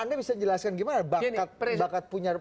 anda bisa jelaskan gimana bakat punya